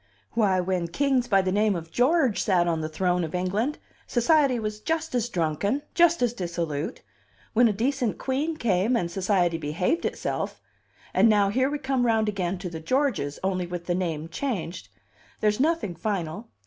Why, when kings by the name of George sat on the throne of England, society was just as drunken, just as dissolute! Then a decent queen came, and society behaved itself; and now, here we come round again to the Georges, only with the name changed! There's nothing final.